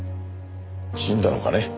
死んだのかね？